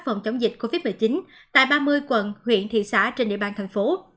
phòng chống dịch covid một mươi chín tại ba mươi quận huyện thị xã trên địa bàn thành phố